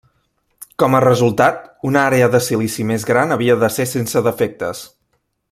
Com a resultat, una àrea de silici més gran havia de ser sense defectes.